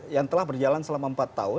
yang telah berjalan selama empat tahun